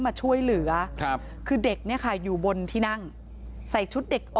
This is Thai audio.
มาช่วยเหลือครับคือเด็กเนี่ยค่ะอยู่บนที่นั่งใส่ชุดเด็ก